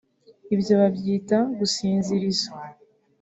Ibyo babyita gusinziriza